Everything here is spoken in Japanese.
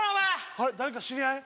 あれ誰か知り合い？